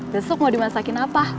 besok mau dimasakin apa